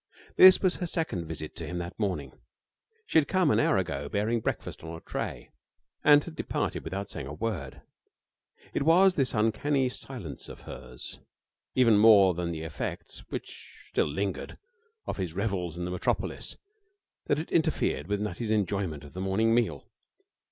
This was her second visit to him that morning. She had come an hour ago, bearing breakfast on a tray, and had departed without saying a word. It was this uncanny silence of hers even more than the effects which still lingered of his revels in the metropolis that had interfered with Nutty's enjoyment of the morning meal.